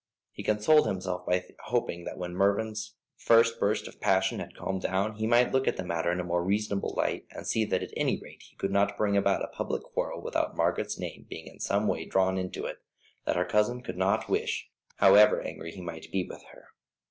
He consoled himself by hoping that when Mervyn's first burst of passion had calmed down, he might look at the matter in a more reasonable light, and see that at any rate he could not bring about a public quarrel without Margaret's name being in some way drawn into it; that her cousin could not wish, however angry he might be with her.